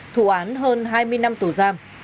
thủ án hơn hai mươi năm tù giam